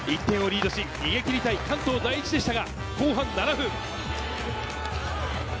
１点をリードし、逃げ切りたい関東第一でしたが後半７分。